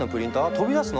飛び出すの⁉